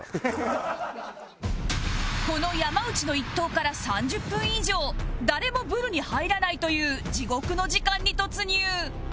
この山内の１投から３０分以上誰もブルに入らないという地獄の時間に突入